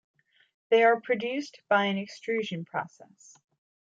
They are produced by an extrusion process.